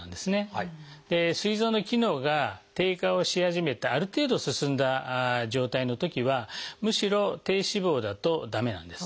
すい臓の機能が低下をし始めたある程度進んだ状態のときはむしろ低脂肪だと駄目なんです。